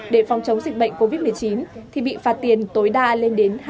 để phòng chống dịch bệnh covid một mươi chín thì bị phạt tiền tối đa lên đến